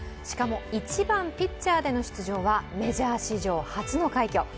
しかも１番・ピッチャーでの出場はメジャー史上初の快挙。